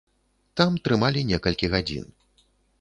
Там трымалі некалькі гадзін.